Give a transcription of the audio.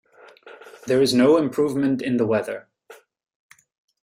There is no improvement in the weather.